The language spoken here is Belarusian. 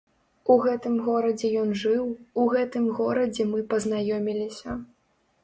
У гэтым горадзе ён жыў, у гэтым горадзе мы пазнаёміліся.